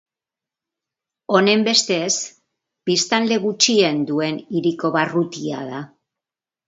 Honenbestez, biztanle gutxien duen hiriko barrutia da.